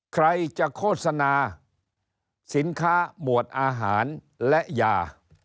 ใครจะโฆษณาสินค้าหมวดอาหารและยา